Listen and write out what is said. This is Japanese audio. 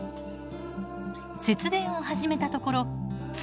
節電を始めたところ月